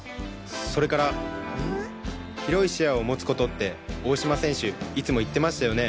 それから広い視野を持つことって大島選手いつも言ってましたよね。